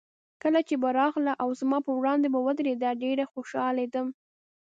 کله چې به راغله او زما په وړاندې به ودرېده، ډېر خوشحالېدم.